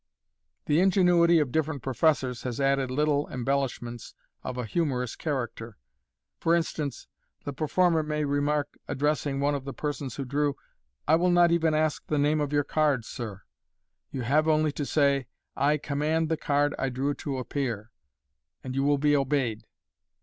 The ingenuity of different professors has added little embellish ments of a humorous character. For instance, the performer may remark, addressing one of the persons who drew, " I will not even ask the name of your card, sir. You have only to say, ' I command the card I drew to appear,' and you will be obeyed."